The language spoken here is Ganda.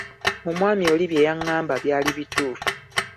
Omwami oli bye yangamba byali bituufu.